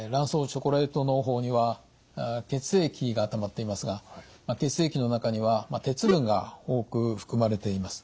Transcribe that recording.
チョコレートのう胞には血液がたまっていますが血液の中には鉄分が多く含まれています。